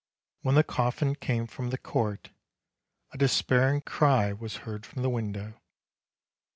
1 When the coffin came from the court, a despairing cry was heard from the window.